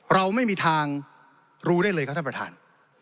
เราไม่มีทางรู้ได้เลยครับท่านประธาน